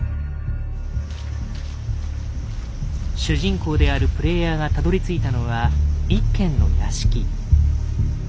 主人公であるプレイヤーがたどりついたのは一軒の屋敷。